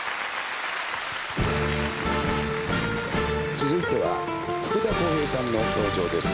続いては福田こうへいさんの登場です。